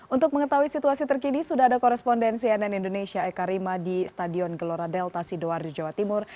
untuk mengetahui situasi terkini sudah ada korespondensi nn indonesia eka rima di stadion gelora delta sidoarjo jawa timur